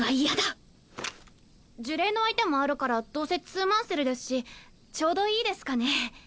呪霊の相手もあるからどうせ２人１組ですしちょうどいいですかね。